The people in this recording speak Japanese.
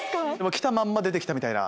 来たまんま出て来たみたいな？